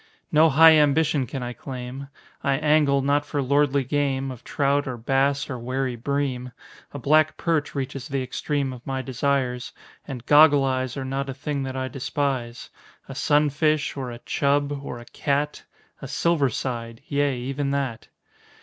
No high ambition can I claim I angle not for lordly game Of trout, or bass, or wary bream A black perch reaches the extreme Of my desires; and "goggle eyes" Are not a thing that I despise; A sunfish, or a "chub," or a "cat" A "silver side" yea, even that!